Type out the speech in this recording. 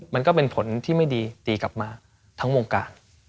มันก็เป็นผลที่ไม่ดีตีกลับมาทั้งวงการ